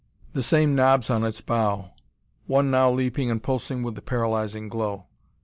The same knobs on its bow, one now leaping and pulsing with the paralyzing glow.